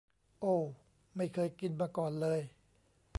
โอว ไม่เคยกินมาก่อนเลย